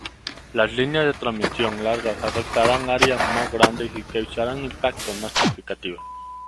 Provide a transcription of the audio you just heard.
Las líneas de transmisión largas afectarán áreas más grandes y causarán impactos más significativos.